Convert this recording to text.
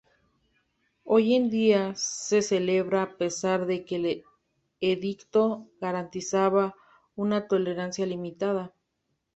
Hoy día se celebra a pesar de que el edicto garantizaba una tolerancia limitada.